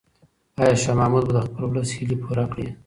آیا شاه محمود به د خپل ولس هیلې پوره کړي؟